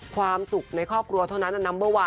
ความสุขในครอบครัวเท่านั้นนัมเบอร์วัน